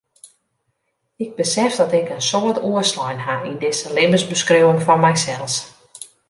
Ik besef dat ik in soad oerslein ha yn dizze libbensbeskriuwing fan mysels.